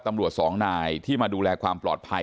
สองนายที่มาดูแลความปลอดภัย